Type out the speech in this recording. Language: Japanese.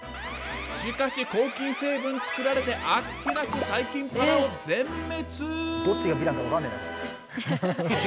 しかし抗菌成分作られてあっけなく細菌パラオ全滅。